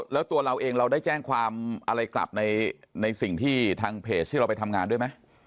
แล้วตัวเราเองเราได้แจ้งความอะไรกลับในสิ่งที่ทางเพจที่เราไปทำงานด้วยไหม